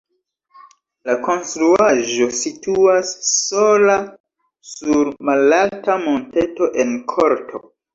La konstruaĵo situas sola sur malalta monteto en korto.